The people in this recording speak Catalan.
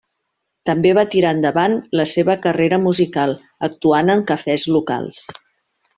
També va tirar endavant la seva carrera musical, actuant en cafès locals.